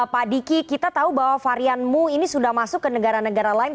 pak diki kita tahu bahwa varian mu ini sudah masuk ke negara negara lain